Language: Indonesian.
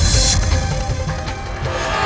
ini adalah keratunku